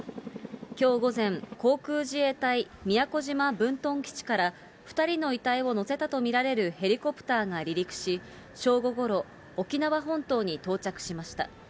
きょう午前、航空自衛隊宮古島分屯基地から２人の遺体を乗せたと見られるヘリコプターが離陸し、正午ごろ、沖縄本島に到着しました。